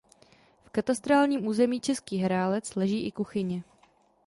V katastrálním území Český Herálec leží i Kuchyně.